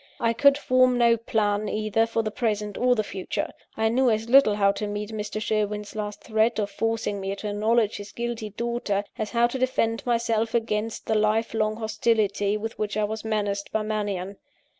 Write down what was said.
I could form no plan either for the present or the future. I knew as little how to meet Mr. Sherwin's last threat of forcing me to acknowledge his guilty daughter, as how to defend myself against the life long hostility with which I was menaced by Mannion.